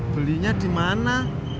belinya di mana